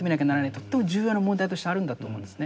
とっても重要な問題としてあるんだと思うんですね。